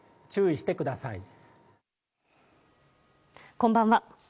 こんばんは。